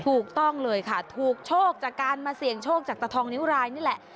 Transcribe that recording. ถูกต้องเลยค่ะถูกโชคจากการมาเสี่ยงโชคจากตะทองนิ้วรายนี่แหละ